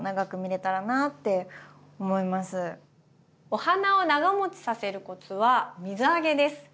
お花を長もちさせるコツは水あげです。